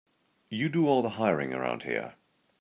You do all the hiring around here.